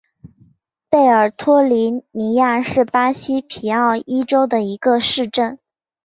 贝尔托利尼亚是巴西皮奥伊州的一个市镇。